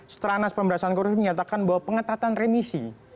seteranas pemberantasan korupsi menyatakan bahwa pengetatan remisi